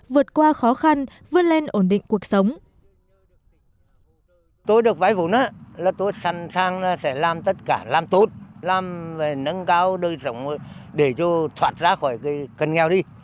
vượt qua khó khăn vươn lên ổn định cuộc sống